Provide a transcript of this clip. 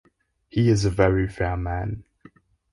He is a very fair man.